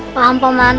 paham pak man